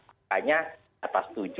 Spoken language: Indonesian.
akhirnya atas tujuh